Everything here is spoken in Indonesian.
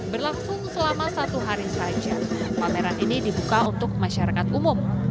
berlangsung selama satu hari saja pameran ini dibuka untuk masyarakat umum